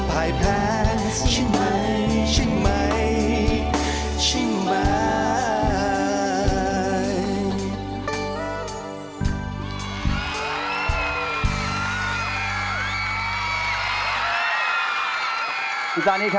หลับตาฉันไม่หวั่นไหว